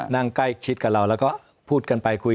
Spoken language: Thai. นั่งใกล้ชิดกับเราแล้วก็พูดกันไปคุย